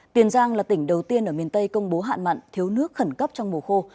tiền giang là tỉnh đầu tiên ở miền tây công bố hạn mặn thiếu nước khẩn cấp trong mùa khô